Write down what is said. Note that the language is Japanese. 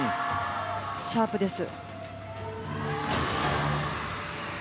シャープです。